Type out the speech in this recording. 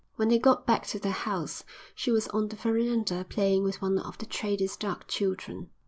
When they got back to their house, she was on the verandah playing with one of the trader's dark children.